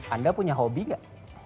anda punya hobi enggak